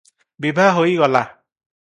ବିଭା ହୋଇଗଲା।